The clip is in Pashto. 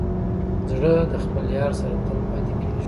زړه د خپل یار سره تل پاتې کېږي.